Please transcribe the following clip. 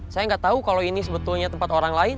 saya nggak tahu kalau ini sebetulnya tempat orang lain